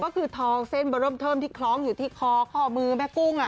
ก็คือทองเส้นเบอร์เริ่มเทิมที่คล้องอยู่ที่คอข้อมือแม่กุ้ง